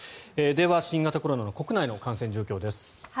では、新型コロナの国内の感染状況です。